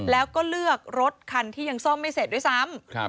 แล้วก็เลือกรถคันที่ยังซ่อมไม่เสร็จด้วยซ้ำ